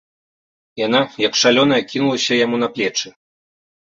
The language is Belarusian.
Яна, як шалёная, кінулася яму на плечы.